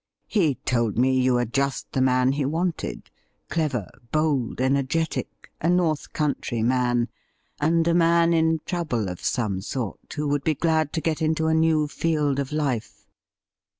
He told me you were just the man he wanted — clever, bold, energetic, a North Country man, and a man in trouble of some sort who would be glad to get into a new field of life.